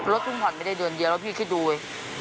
รถพึ่งผ่อนไม่ได้เดือนเยอะพี่คิดดูเว้ย